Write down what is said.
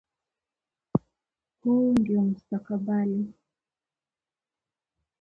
“Huu ndio mustakabali